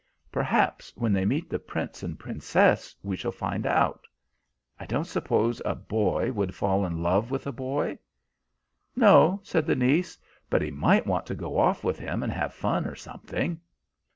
Perhaps when they meet the Prince and Princess we shall find out. I don't suppose a boy would fall in love with a boy." "No," said the niece; "but he might want to go off with him and have fun, or something."